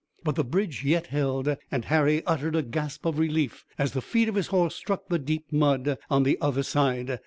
But the bridge yet held and Harry uttered a gasp of relief as the feet of his horse struck the deep mud on the other side.